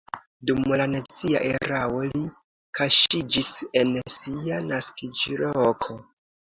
Dum la nazia erao li kaŝiĝis en sia naskiĝloko.